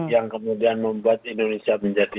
yang kemudian membuat indonesia menjadi